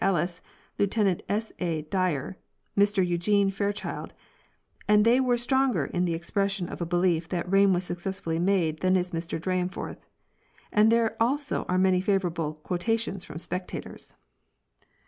Ellis, Lieutenant 8. A. Dyer, and Mr Eu gene Fairchild, and they were stronger in the expression of a belief that rain was successfully made than is Mr Dyrenforth ; and there are also many favorable quotations from spectators.